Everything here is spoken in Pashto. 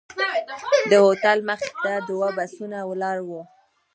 د هوټل مخې ته دوه بسونه ولاړ وو.